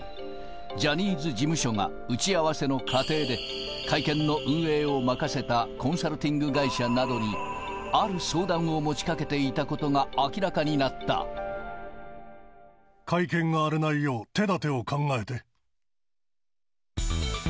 ジャニーズ事務所が打ち合わせの過程で、会見の運営を任せたコンサルティング会社などにある相談を持ちか会見が荒れないよう、女性）